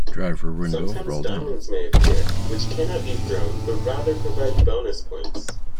Sometimes diamonds may appear, which cannot be thrown but rather provide bonus points.